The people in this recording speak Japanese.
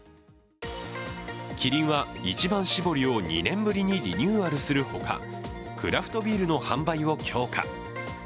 キリンは一番搾りを２年ぶりにリニューアルするほか、クラフトビールの販売を強化。